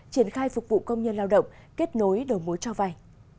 triển khai phục vụ công nhân lao động kết nối đầu mối cho vay